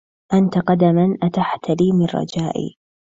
أنت قدما أتحت لي من رجائي